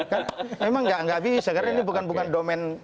kan memang nggak bisa karena ini bukan bukan domen